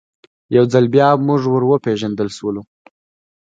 یو ځل بیا موږ ور وپېژندل سولو.